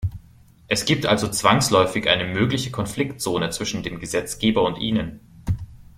Es gibt also zwangsläufig eine mögliche Konfliktzone zwischen dem Gesetzgeber und Ihnen.